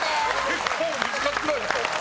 結構難しくないですか？